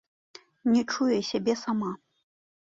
Не чуе сябе сама.